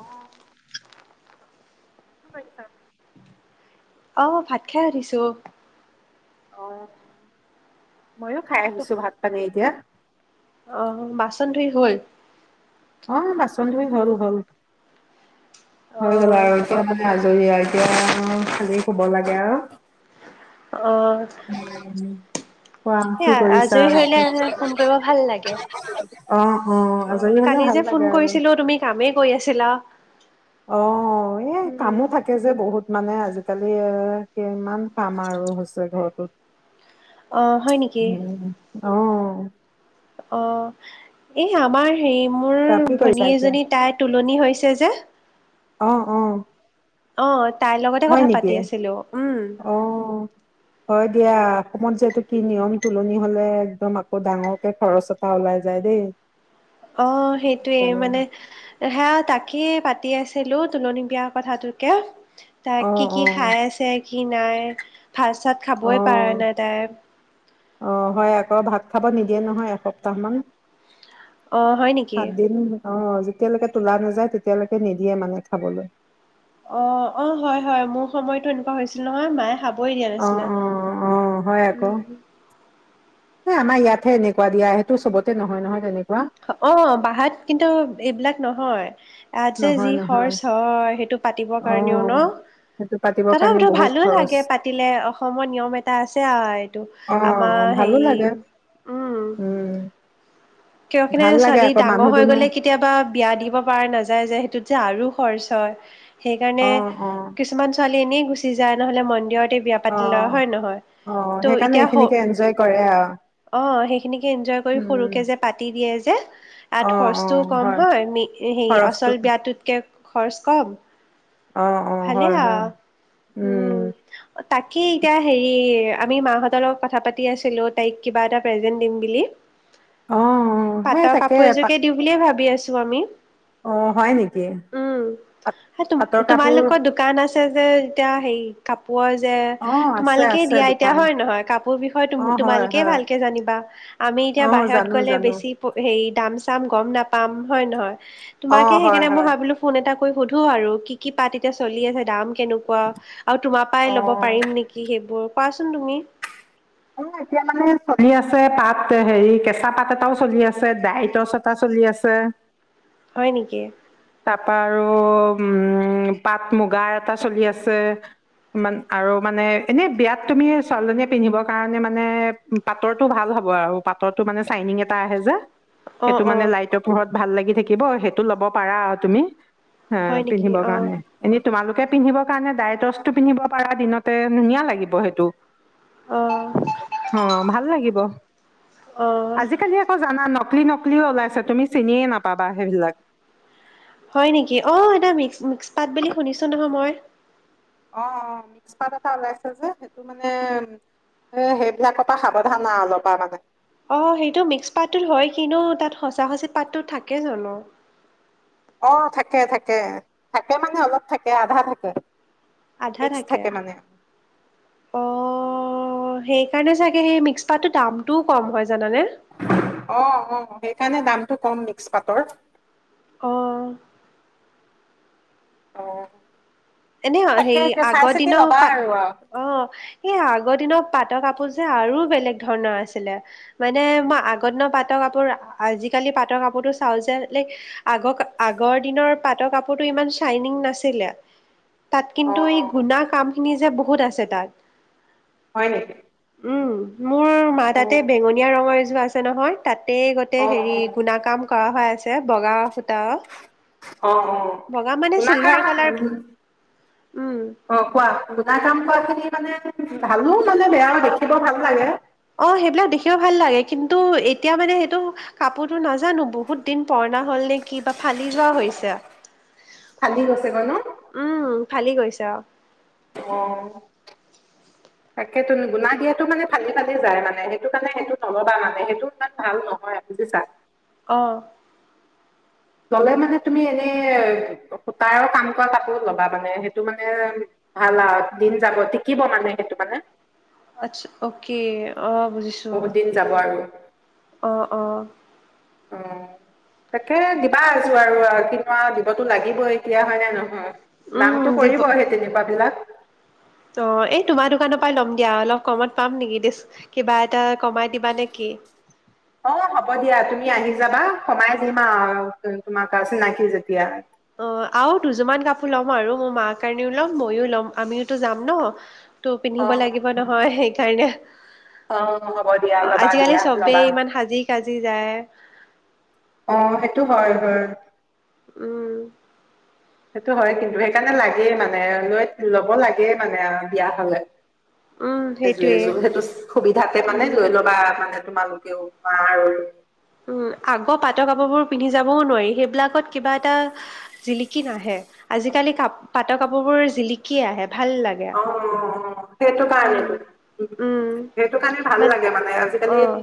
অহ কি কৰিছা? অ ভাত খাই উঠিছো। আহ ময়ো খাই আহিছো ভাত পানী এতিয়া আহ বাচন ধুই হল। অ বাচন্ হল হল। হৈ গল অহ আৰু। য়া মানে আজৰি এতিয়া খালি শুব লাগে আৰু। অহ কোৱা কি সেয়া কৰিছা আজৰি হলে ফোন কৰিব ভাল লাগে অ অ অহ আজৰি হলেও কালি ভাল যে ফোন লাগে আৰু কৰিছিলো তুমি কামেই গৈ আছিলা না অ এই কামো থাকে যে বহুত। মানে আজিকালি এ কিমান কাম আৰু হৈছে ঘৰটোত অহ হয় উম অ অ এই আমাৰ হে মোৰ তা কি কৰিছা ভনী এতিয়া এজনী তাই তু পানি হৈছে যে অহ অহ অ তাইৰ লগতে কথা পাতি আছিলো উম অ', হয় দিয়া অসমত যিহেতু কি নিয়ম তুলনি হলে একদম আকৌ ডাঙৰকে খৰচ এটা ওলাই যায় দেই। অ সেইটোয়ে মানে সেয়া তাকেই পাতি পাতি আছিলো তোলনি বিয়াৰ কথাটোকে। অ', তাকে অ', কি অ', খাই আছে। কি নাই ভাত চাত খাবই পাৰা নাই তাই অ হয় আকৌ ভাত খাব নিদিয়ে নহয় এসপ্তাহ মান অ হয় নেকি। সাত দিন অ যেতিয়ালৈকে তোলা নাযায় তেতিয়ালৈকে নিদিয়ে মানে খাবলৈ। অ অ হয় হয় মোৰ সময়তো এনেকুৱা হৈছিল নহয় মায়ে হা এই দিয়া অ', নাছিলে অ', অ', হয় আকৌ উম আমাৰ ইয়াত হে এনেকুৱা দিয়া সেইটো চবতে নহয় নহয় তেনেকুৱা অ বাহাত কিন্তু এইবিলাক নহয় তাত যে নহয় যি নহয় খৰচ হয় সেইটো পাতিবৰ কাৰণেও ন অ', সেইটো পাতিবৰ কাৰণে তথাপিতো বহুত ভালো খৰচ লাগে পাতিলে অসমৰ নিয়ম এটা আছে আৱ এইটো আমাৰ অ', ভালো হেৰি লাগে উম কিয় কিনে ভাল লাগে ছোৱালী আকৌ ডাঙৰ মানুহ হৈ দুনুহ গ'লে কেতিয়াবা বিয়া দিব পাৰে নাই যায় যে সেইটোত যে আৰু খৰচ হয় অ সেইকাৰণে অ কিছুমান ছোৱালী এনে গুচি যায় নহ'লে মন্দিৰত তে বিয়া অ পাতি লয় হয় নহয় অ ত সেইকাৰণে এতিয়া হ এইখিনিকে এনজয় কৰে আৰু অহ সেইখিনিকে ইনজয় কৰি উম সৰুকে যে পাতি দিয়ে যে ইয়াত অ অ খৰচটোও কম হয় হেই খৰচটো অচল বিয়াটোতকে খৰচ কম অ অ ভালে হয় হয় আও উম কে এতিয়া হেৰি আমি মাহঁতৰ লগত কথা পাতি আছিলো তাইক কিবা এটা প্ৰেজেন্ট দিম বুলি অ অ সেই পাটৰ তাকে কাপোৰ পাট এযোকে দিওঁ বুলিয়ে ভাবি আছোঁ ত আমি অ হয় নেকি উম। সেই তুম পাতৰ কাপ তোমালোকৰ দোকান আছে যে যেতিয়া সেই কাপ কাপোৰ যে অ আছে তোমালোকে আছে দিয়া এতিয়া দোকান হয় নহয় কাপোৰ বিষয়ে অ হয় তোমালোকে হয় ভালকে জানিবা আমি এতিয়া অ বাহিৰত জানো গ'লে জানো বেছি হেৰি দাম চাম গম নেপাম হয় নহয় অ তোমাকে হয় সেইকাৰণে মই হয় ভাবিলো ফোন এটা কৰি সুধো আৰু কি কি পাত চলি আছে দাম কেনেকুৱা আৰু তোমাৰ পৰাই অ ল'ব পাৰিম নেকি সেইবোৰ কোৱাচোন তুমি অ এতিয়া মানে চলি আছে পাত হেৰি কেঁচা পাত এটাও চলি আছে ডাইটছ এটা চলি আছে হয় নেকি তাপা আৰু উম পাট মুগা এটা চলি আছে মান আৰু মানে এনেই বিয়াত তুমি ছোৱালজনীয়ে পিন্ধিব কা কাৰণে মানে পাতৰটো ভাল হ'ব আৱ পাটৰটো মানে চাইনিং এটা আহে যে অ সেইটো অ মানে লাইটৰ পোহৰত ভাল লাগি থাকিব সেইটো ল'ব পাৰা তুমি হে হয় নেকি পিন্ধিবৰ অ কাৰণে এনে তোমালোকে পিন্ধিবৰ কাৰণে ডাইটছটো পিন্ধিব পাৰা দিনতে ধুনীয়া লাগিব সেইটো অ অ ভাল লাগিব অ আজিকালি আকৌ জানা নক নকলি নকলি ওলাইছে তুমি চিনিয়ে নাপাবা সেইবিলাক হয় নেকি অ এ মিক্স মিক্স পাত বুলি শুনিছো নহয় মই অ অ মিক্স পাত এটা ওলাইছে যে সেইটো মানে সেইবিলাকৰ পৰা সাবধান অলৰ পৰা মানে অ সেইটো মিক্স পাতটোত হয় কিনো তাত সঁচা সচি পাতটো থাকে জানো অ থাকে থাকে থাকে মানে অলপ থাকে আধা থাকে আধা মিক্স থাকে মানে আহ সেই সেইকাৰণে চাগে সেই মিক্স পাতটোৰ দামটোও কম হয় জানে অ অ সেইকাৰণে দামটো কম মিক্স পাতৰ অঁ অ এনে তাকে হেৰি এতিয়া চাই আগৰ চিতি দিনৰ ল'বা আৰু পাত আৰু। অ সেই আগৰ দিনৰ পাত পাটৰ কাপোৰ যে আৰু বেলেগ ধৰণৰ আছিলে মানে মই আগৰ দিনৰ পাটৰ কাপোৰ আজিকালি পাটৰ কাপোৰতটো চাওঁ যে লাইক আগৰ আগৰ দিনৰ পাটৰ কাপোৰতটো ইমান চাইনিং নাছিলে তাত অ কিন্তু এই অ গুণ কাম খিনি যে বহুত আছে তাত হয় নেকি উ মোৰ মাৰ অ তাতে বেঙনীয়া ৰঙৰ যো আছে নহয় তাতেই গোতে অ হেৰি অ গুণ কাম কৰা হৈ আছে বগা সূতা অ অ বগা মানে শুনা কাম চিলভাৰ কালাৰ উম, অ কোৱা শুনা কাম কোৱাখিনি [inaudible] মানে ভালো মানে বেয়া দেখিব ভাল লাগে অ সেইবিলাক দেখিও ভাল লাগে কিন্তু এতিয়া মানে সেইটো কাপোৰতো ন নাজানো বহুত দিন পৰা নাই হ'ল নে কি বা ফালি যোৱা হৈছে ফালি গৈছে গৈ ন উম, ফালি গৈছে আৰু অ তাকে তুমি গুণা দিয়াতটো মানে ফালি ফালি যায় মানে সেইটো কাৰণে সেইটো নলবা মানে সেইটো ইমান ভাল নহয় বুজিছা অ ললে মানে তুমি এনেই সূতাৰ কাম কৰা কাপোৰ ল'বা মানে সেইটো মানে ভাল আৰু দিন যাব টিকিব মানে সেইটো মানে আচ্ছা অকে অ, বুজিছো বহুত দিন যাব আৰু অ অ অ তাকে দিবা আজি আৰু অ দিবতো লাগিবই এ হয় নে নহয় উম, নামটো দিব পঢ়িব সেই তেনেকুৱা বিলাক অ এই তোমাৰ দোকানৰ পৰাই ল'ম দিয়া অলপ কমত পাম নেকি দি কিবা এটা কমাই দিবা নেকি অ হ'ব দিয়া তুমি আহি যাবা কমাই দিম তোমাৰ চিনাকি যেতিয়া অ আৰু দুযোৰমান কাপোৰ ল'ম আৰু মোৰ মাৰ কাৰণেও ল'ম ময়ও ল'ম আমিওতো যাম ন তটো অ অ পিন্ধিব লাগিব নহয় সেইকাৰণে অ হ'ব দিয়া অ লবা আজিকালি দিয়া লবা চবেই ইমান সাজি কাজি যায়। আহ সেইটো হয় হয় উম সেইটো হয় কিন্তু সেইকাৰণে লাগেই মানে লৈ ল'ব লাগেই মানে বিয়া হলে উম এযোৰ সেইটোৱে এযোৰ সেইটো সুবিধাতে মানে উম। লৈ ল'বা মানে তোমালোকেও বা আৰু উম আগৰ পাটৰ কাপোৰ বোৰ পিন্ধি যাবও নোৱাৰি সেইবিলাকত কিবা এটা জিলিকি নাহে আজিকালি কাপ পাটৰ কাপোৰ বোৰ জিলিকি আহে ভাল লাগে। অ সেইটো উম কাৰণেই উম সেইটো কাৰণে ভাল বাট লাগে মানে আজিকালি অ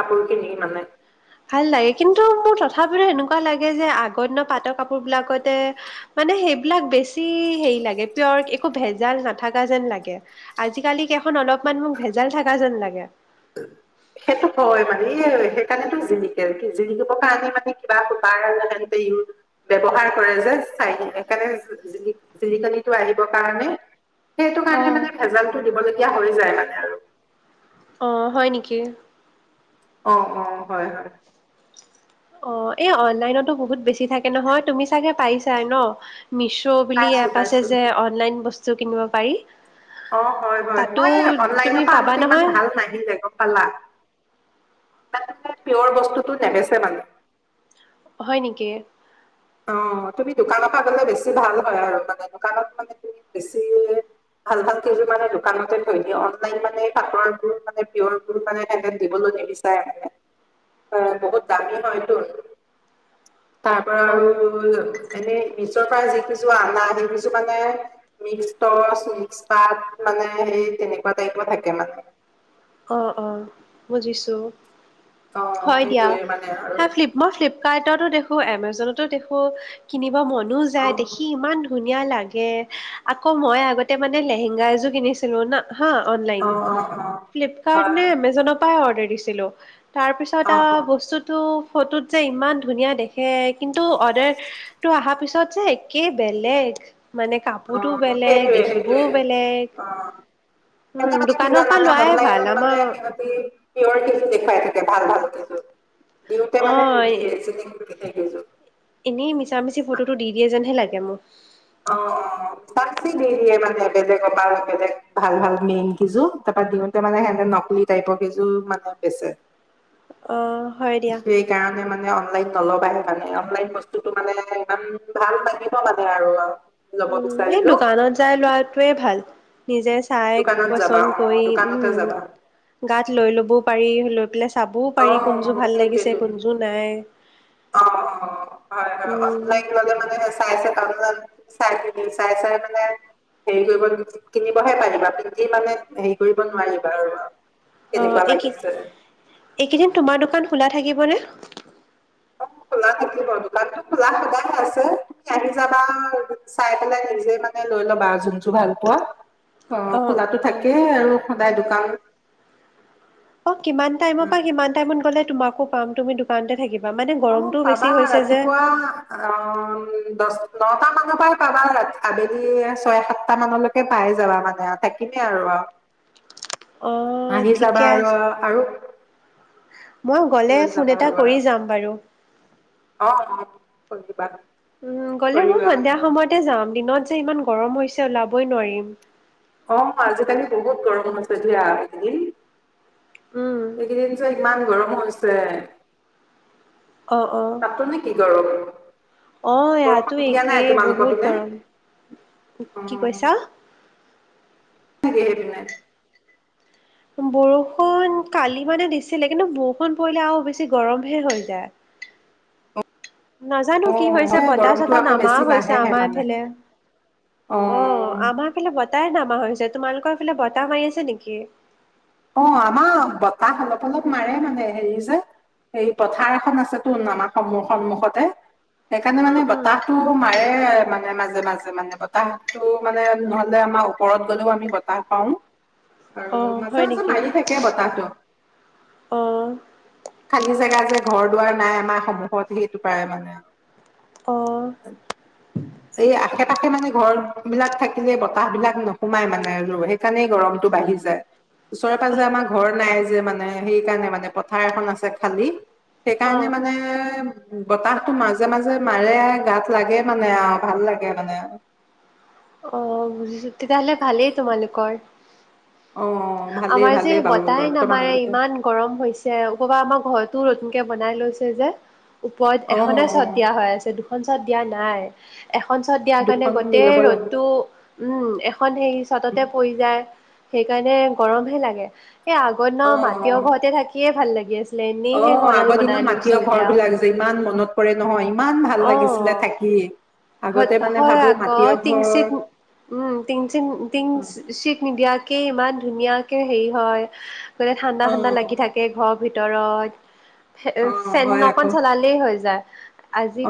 কাপোৰ কানি মানে ভাল লাগে কিন্তু মোৰ তথাপিতো এনেকুৱা লাগে যে আগ পাতৰ কাপোৰ বিলাকতে মানে সেইবিলাক বেছি হেৰি লাগে পিয়ৰ একো ভেজাল নাথাককা যেন লাগে আজিকালি কেইখন অলপমান মোক ভেজাল থকা যেন লাগে সেইটো হয় মানে এই সেইকাৰনে তো জিলিকে জলিকিবৰ কাৰণে মানে কিবা সুটাৰ আৰু সে ব্যৱহাৰ কৰে যে চাই সেইকাৰণে জিলিকনি টো আহিবৰ কাৰণে সেইটো কাৰণে অ'। মানে ভেজালটো দিব লাগ হৈ যায় মানে আৰু অ হয় নেকি অ অ হয় হয় অ এই অনলাইনতো বহুত বেছি থাকে নহয় তুমি চাগে পাইছা ন মিছো বুলি পাইছো এপ আছে পাইছো যে অনলাইন বস্তু কিনিব পাৰি অ হয় হয় তাতো মই তুমি অনলাইনৰ পৰা পাবা আনোতেো ইমান নহয় ভাল নাহিলে গম পালা তাতে পিয়ৰ বস্তুটো দেখেছে মানে। হয় নেকি? অ' তুমি দোকানৰ গলে বেছ ভাল হয় আৰু, মানে দুকানত মানে তুমি বেছি ভাল-ভাল কিযুৰ মানে দোকানতে থয়ডিয়ে, অনলাইন মানে কাপোৰৰ বোৰ মানে পিয়ৰ বোৰ [unintelligible] মানে দিবলৈ নিবিচাৰে বহুত দামি হয়তো। তাৰ পৰা অ'। আৰু এনেই ইছতাই যি কিজু আনা সেইকজু মানে মিক্স [unintelligible] চ মিক্স পাত মানে সেই তেনেকুৱা টাইপৰ থাকে মানে। অ-অ বুজিছো। অ', হয় দিয়া। সেইটোৱে মানে হ আৰু ফ্লিপ মই ফ্লপ্ ো দেখো, এমজনতো দেখো, কিনিব মন যায় অ', দেখি ইমান ধুনীয়া। ধুনীয়া লাগে, আকৌ মই আগতে মানে লেহেঙগা এযোৰ কিনিছিলো না হা অননলাইন। অ', অ', অ', ফ্লিপকাৰ্ট হয় নে এমেজনৰ পৰা অৰ্ ডিছিলো অ', তাৰপিছত অ', বস্তুটো ফটোত যে ইমান ধুনীয়া দেখে, কিন্তু অৰ্ডাৰটো অহাৰ পিছত যে একে বেলেগ। মানে অ কাপোৰতো বেলেগ, সেইটোৱে দেখিবও সেইটোৱে বেলেগ অ'। উম সেইকাৰণে কি দোকানৰ পৰা জানানে লোৱাই ভাল আমাৰ মানে সিহঁতি পিয়ৰ কিজুৰ [unintelligible] ভাল-ভাল কিশোৰ। দিওঁতে অ মানে নিদিয়ে। চিলিং পেকেট [unintelligible] এনেই মিছা-মিছি ফটোটো দি দিয়ে যেন হে লাগে মোৰ। অ-অ তাি দেৰিয়ে [unintelligible] অ অ'। বাচি দি দিয়ে মানে, বেলেগৰপা বেলেগ ভাল-ভাল মেইন কিযোৰ, তাৰপৰা দিওঁতে মানে সিহঁতে নকলি টাইপৰ কিযোৰ মানে বেচে। অ' হয় দিয়া। সেইকাৰণে অনলাইন নলবা সেইকাৰণে। অনলাইন বস্তুটো মানে, ইমান ভাল লাগিব মানে আৰু। ল'ব উম, এই বিচাৰিলেও দোকানত যাই লোৱাটোৱে ভাল। নিজে চাই দোকানত যাবা পচন্দ কৰি, অ দোকানতে উম, যাবা গাত লৈ ল'বও পাৰি, লৈ পেলাই চাবও অ পাৰি কোনযোৰ ভাল লাগিছে, সেইটোৱেতো কোনযোৰ নাই। অ', অ', হয়, হয়, উম। চাইপিনি, চাই-চাই মানে, হেৰি কৰিব কিনিবহে পাৰিবা। পিন্ধি মানে হেৰি কৰিব নোৱাৰিবা আৰু অ', কেনেকুৱা এইকি লাগিছে? এইকেইদিন তোমাৰ দোকান খোলা থাকিবনে? অ' খোলা থাকিব। দোকানটো খোলা সদায় আছে। তুমি আহি যাবা চাই পেলাই নিজে মানে লৈ ল'বা আৰু যোনযোৰ ভাল পোৱা। অ' খোলাটো থাকেই আৰু সদায় অ'। দোকান। অ' কিমান টাইমৰ উম। পৰা কিমান টাইমত গ'লে তোমাকো পাম? তুমি দোকানতে থাকিবা। মানে অ' গৰমটোও বেছি পাবা। হৈছে যে। ৰাতিপুৱা অ' দশ নটামানৰ পৰা পাবা। ৰা-আবেলি ছয়-সাতটা মানলৈকে পাই যাবা মানে, আৰু থাকিমেই আৰু। অ', আহি ঠিকে যাবা আৰু আছে, আৰু। মই গ'লে লৈ ফোন যাবা আৰু এটা আৰু। কৰি যাম বাৰু। অ' বুজিবা। উম গ'লে মই সন্ধিয়া সময়তে যাম। দিনত ইমান গৰম হৈছে, ওলাবই নোৱাৰিম। অ' আজিকালি বহুত গৰম হৈছে [unintelligible] উম, এইকেইদিন যে কিমান গৰম হৈছে? অ' অ'। তাতো নে কি গৰম অ' ইয়াতো বৰষুণ দিয়া একে নাই তোমালোকৰ বহুত পিনে গৰম। অ কি কৈছা? [unintelligible] সেইপিনে বৰষুণ কালি মানে দিছিলে। কিন্তু বৰষুণ পৰিলে আৰু বেছি গৰমহে হৈ যায়। নাজানো অ কি হৈছে মানে গৰমটো বতাহ-চতাহ আকৌ নামা বেছি হৈছে বাঢ়েহে আমাৰ মানে এইফালে। অ', আমাৰ ফেলে বতাহ নামা হৈছে তোমালোকৰ এইফালে বতাহ মাৰি আছে নেকি অ আমাৰ বতাহ অলপ অলপ মাৰে মানে হেৰি যে এই পথাৰ এখন আছে তোন আমাৰ সম সন্মুখতে সেইকাৰণে মানে উম, উম, বতাহতটো মাৰে মানে মাজে মাজে মানে বতাহতটো মানে নহলে আমাৰ ওপৰত গ'লেও আমি বতাহ পাও আৰু অ', ম হয় নেকি অ খালি জেগা যে ঘৰ দুৱাৰ নাই আমাৰ সমূহত সেইটো প্ৰায় মানে অ সেই আশ পাশে মানে ঘৰ বিলাক থাকিলে বতাহবিলাক নোসোমাই মানে ৰ সেইকাৰণেই গৰমটো বাঢ়ি যায় ওচৰে পাঁজৰে আমাৰ ঘৰ নাই যে মানে সেইকাৰণে মানে পথাৰ এখন আছে খালি সেইকাৰণে অ', মানে বতাহতটো মাজে মাজে মাৰে গাত লাগে মানে আৰু ভাল লাগে মানে তিয়াহলে ভালেই তোমালোকৰ অ ভালেই আমাৰ যে ভালেই বাৰু বতাহ নামাৰে বৰ্তমানলৈকে ইমান গৰম হৈছে কবা আমাৰ ঘৰতো নতুনকে বনাই লৈছে যে ওপৰত অ অ এখনে চট দিয়া হৈ আছে দুখন তাত দিয়া নাই। এখন চ'ট দিয়াৰ কাৰণে, দুখন দি ল'ব গোটেই লাগে ৰ'দটো উম, এখন হেৰি উম, চ'টতে পৰি যায়। সেইকাৰণে গৰমহে লাগে। সেই, অ আগৰদিনৰ মাটিয় অ ঘৰত থাকিয়ে ভাল লাগে। দি আছে। অ! আগৰ দিনৰ মাটি ঘৰ বিলাক যে, ইমান মনত পৰে নহয়, ইমান ভাল লাগিছিলে অ থাকি। আগতে মানে হয় ভাবো আকৌ, মাটিৰ ঘৰ টিংচেট উম, টিংচেট নিডিয়াকে ইমান ধুনীয়াকে হেৰি হয়! মানে, ঠাণ্ডা অ ঠাণ্ডা লাগি থাকে ঘৰ ভিত অ [unintelligible] ফেন হয় আকৌ অকন চলালেই হৈ যায়।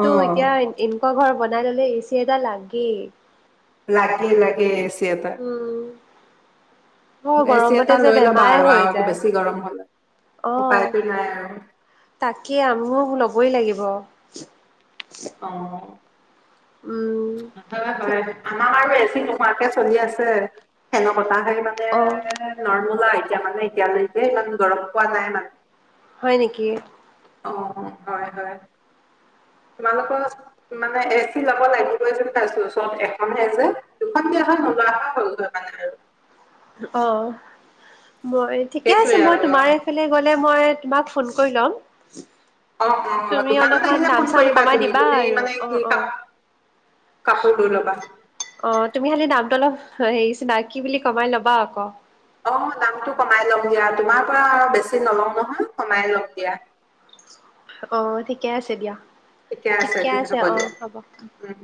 অ এতিয়া এনেকুৱা ঘৰ নাইলনৰ ৰছী এডাল লাগেই। লাগে, লাগে। দিয়া এটা। উম বৰ এ চি গৰমতে এটা যে লৈ ল'বা বেমাৰে আৰু হৈ আৰু যায় বেছি গৰম হ'লে, অ উপায়তো নাই আৰু। তাকে, আমিয়ো ল'বই লাগিব। অঁ! উম হয়, ঠিক হয় আমাৰ এ চি নোহোৱাকে চলি আছে, ফেনৰ বতাহ। তাই মানে [unintelligible] অ এতিয়া মানে, এতিয়ালৈকে, ইমান গৰম পোৱা নাই ইমান। হয়, নেকি? অ! হয়, হয়। তোমালোকৰ মানে, এ চি লব লাগিবই যেন পাইছো, এখনহে যে! দুখনকে হ'ল, নোলোৱাপা হ'লগৈ। পায় আৰু! অঁ। মই ঠিকে আছে। সেইটোৱে মই আৰু তোমাৰ এইফালে গ'লে মই তোমাক ফোন কৰি ল'ম! অঁ, অঁ, তুমি দোকানত অলপমান আহিলে দাম ফোন চাম কৰিবা কমাই তুমি, দিবা তুমি আৰু মানে অ কি অ। খা কাপোৰ ধুই ল'বা। অঁ, তুমি খালি দামটো অলপ হেৰি চিনাকি বুলি কমাই ল'বা আকৌ। অঁ, অঁ! দামটো কমাই লম দিয়া, তোমাৰ পৰা আৰু বেছি নলওঁ নহয়। কমাই লম দিয়া। অঁ, ঠিকে আছে দিয়া। এতিয়া আছে ঠিকে দ হব অ দিয়া হ'ব। উম